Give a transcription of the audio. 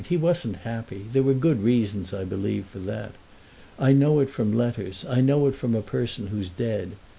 He wasn't happy—there were good reasons, I believe, for that. I know it from letters, I know it from a person who's dead.